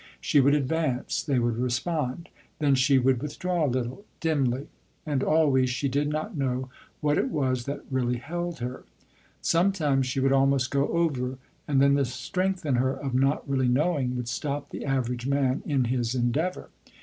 She would advance, they would respond, and then she would withdraw a little, dimly, and always she did not know what it was that really held her. Sometimes she would almost go over, and then the strength in her of not really knowing, would stop the average man in his endeavor.